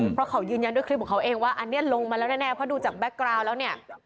เพราะเขายืนยันด้วยคลิปของเขาเองว่าอันนี้ลงมาแล้วแน่เพราะดูจากแก๊กกราวแล้วเนี่ย